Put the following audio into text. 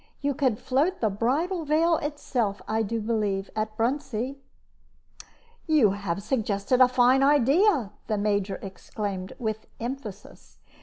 You could float the Bridal Veil itself, I do believe, at Bruntsea." "You have suggested a fine idea," the Major exclaimed, with emphasis.